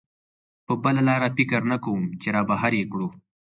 په بله لاره فکر نه کوم چې را بهر یې کړو.